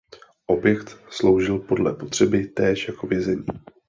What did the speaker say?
Objekt sloužil podle potřeby též jako vězení.